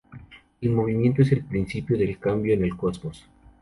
El movimiento es el principio del cambio en el cosmos.